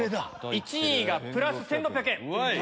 １位がプラス１６００円。